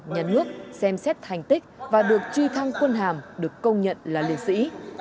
nhà nước xem xét thành tích và được truy thăng quân hàm được công nhận là liệt sĩ